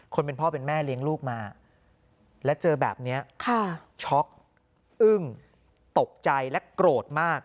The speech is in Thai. เป็นพ่อเป็นแม่เลี้ยงลูกมาและเจอแบบนี้ช็อกอึ้งตกใจและโกรธมาก